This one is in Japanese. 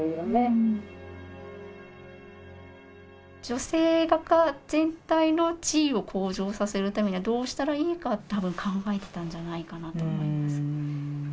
女性画家全体の地位を向上させるためにはどうしたらいいかって多分考えてたんじゃないかなと思います。